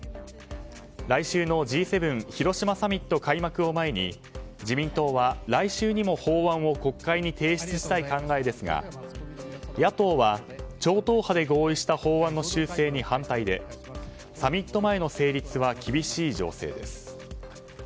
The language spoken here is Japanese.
来週のＧ７広島サミット開幕を前に自民党は来週にも法案を国会に提出したい考えですが野党は超党派で合意した法案の修正に反対で、サミット前の成立は厳しい情勢です。